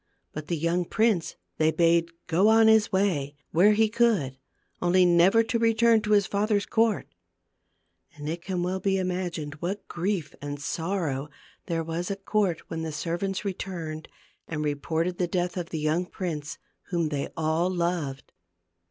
But the young prince they bade go On his way, where he would ; only never to return to his father's court. And it can well be imagined what grief and sorrow there was at court when the servants returned and reported the death of the young prince, whom they all loved.